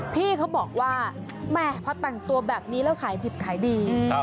พี่เขาบอกว่าแม่พอแต่งตัวแบบนี้แล้วขายดิบขายดี